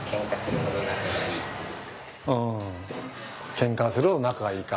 ケンカするほど仲がいいか。